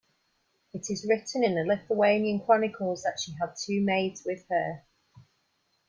It is written in the Lithuanian Chronicles that she had two maids with her.